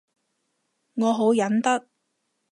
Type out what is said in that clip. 我好忍得